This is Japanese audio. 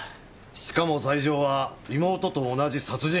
しかも罪状は妹と同じ殺人！